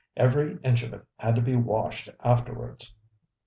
Every inch of it had to be washed afterwards.